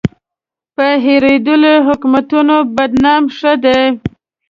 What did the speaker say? په هېرولو یې حکومتونه بدنام ښه دي.